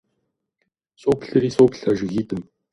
Соплъри соплъ а жыгитӀым.